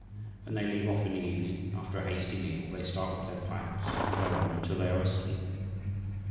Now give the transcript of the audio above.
When they leave off in the evening, after a hasty meal they start with their pipes and go on until they are asleep.